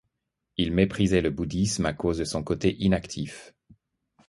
Il méprisait le Bouddhisme à cause de son côté inactif.